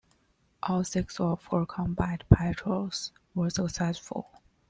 All six of her combat patrols were "successful".